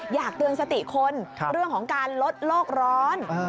อยากเตือนสติคนเรื่องของการลดโลกร้อน